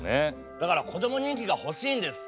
だからこども人気が欲しいんです。